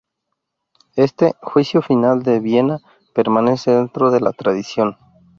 Este "Juicio Final" de Viena permanece dentro de la tradición.